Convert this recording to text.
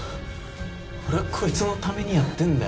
俺はこいつのためにやってんだよ。